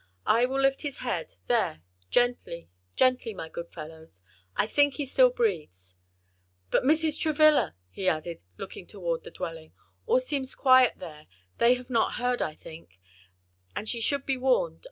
I will lift his head, there gently, gently, my good fellows, I think he still breathes. But Mrs. Travilla!" he added, looking toward the dwelling, "all seems quiet there; they have not heard, I think, and she should be warned.